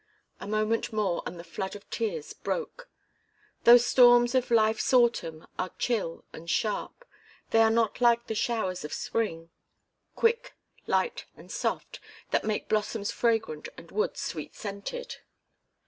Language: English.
A moment more and the flood of tears broke. Those storms of life's autumn are chill and sharp. They are not like the showers of spring, quick, light and soft, that make blossoms fragrant and woods sweet scented.